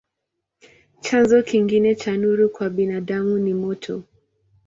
Chanzo kingine cha nuru kwa binadamu ni moto.